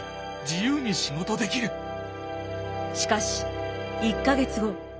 しかし１か月後。